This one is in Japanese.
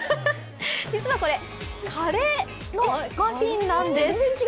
実はこれカレーのマフィンなんです。